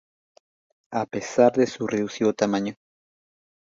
A pesar de su reducido tamaño.